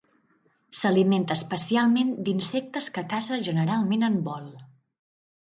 S'alimenta especialment d'insectes que caça generalment en vol.